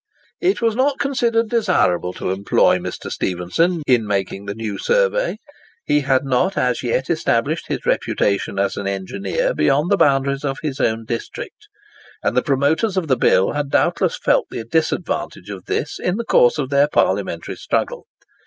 It was not considered desirable to employ Mr. Stephenson in making the new survey. He had not as yet established his reputation as an engineer beyond the boundaries of his own district; and the promoters of the bill had doubtless felt the disadvantages of this in the course of their parliamentary struggle.